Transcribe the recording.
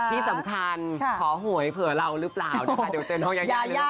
ที่สำคัญขอหวยเผื่อเรารึเปล่านะคะเดี๋ยวเจอน้องยาย่าเรียกรึเปล่าค่ะ